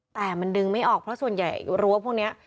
แต่มันดึงไม่ออกเพราะส่วนใหญ่รั้วพวกนี้